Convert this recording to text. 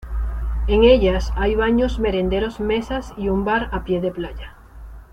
En ellas hay baños merenderos mesas y un bar a pie de playa.